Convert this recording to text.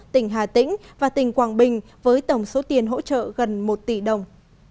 tỉnh hà tĩnh và tỉnh quảng bình với tổng số tiền hỗ trợ gần một tỷ đồng